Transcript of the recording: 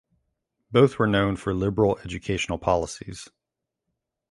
Both were known for liberal educational policies.